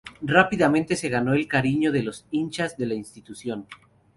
Rápidamente se ganó el cariño de los hinchas de la institución.